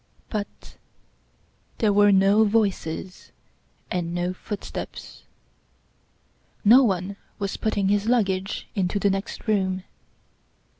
But there were no voices and no footsteps. No one was putting his luggage into the next room.